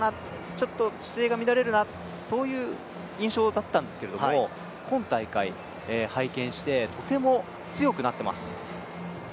ちょっと姿勢が乱れるかなそういう印象だったんですけど、今大会、拝見してとても強くなっています。